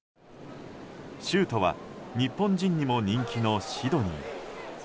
州都は日本人にも人気のシドニー。